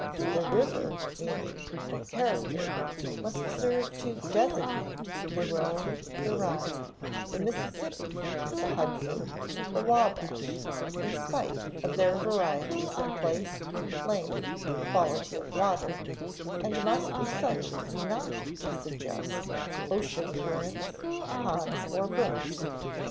The river meaning (or character) must serve to designate the Rhone, the Rhine, the Mississippi, the Hudson, the Wabash, in spite of their varieties of place, length, quality of water; and must be such as not to suggest ocean currents, ponds, or brooks.